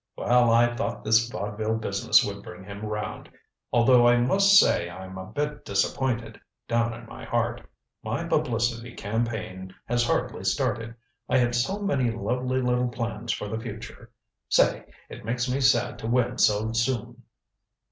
"Well, I thought this vaudeville business would bring him round. Although I must say I'm a bit disappointed down in my heart. My publicity campaign has hardly started. I had so many lovely little plans for the future say, it makes me sad to win so soon."